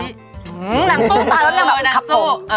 หนังสู้ตอนนั้นแบบครับผม